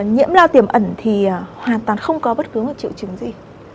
nhiễm lao tiềm ẩn thì hoàn toàn không có bất cứ một triệu chứng gì